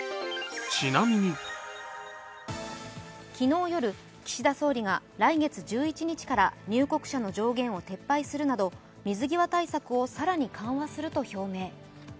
昨日夜、岸田総理が来月１１日から入国者の上限を撤廃するなど水際対策を更に緩和すると表明。